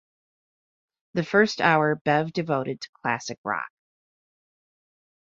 The first hour, Bev devoted to classic rock.